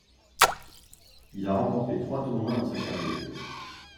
Il a remporté trois tournois dans sa carrière.